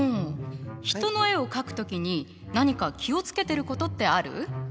人の絵を描く時に何か気を付けてることってある？